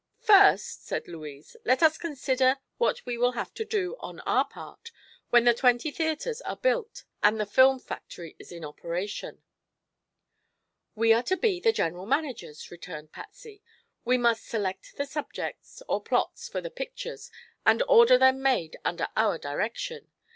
"First," said Louise, "let us consider what we will have to do, on our part, when the twenty theatres are built and the film factory is in operation." "We are to be the general managers," returned Patsy. "We must select the subjects, or plots, for the pictures, and order them made under our direction.